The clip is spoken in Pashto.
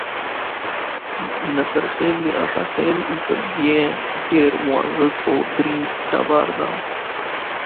ناصرخېل د اشاخېل ايسپزو ډېر معزز او درون ټبر دے۔